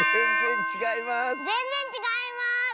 ぜんぜんちがいます。